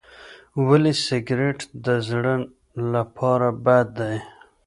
ولې سګریټ د زړه لپاره بد دی؟